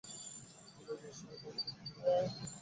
বলিয়া জয়সিংহ প্রভাতের মন্দিরের ঘটনা রাজাকে বলিলেন।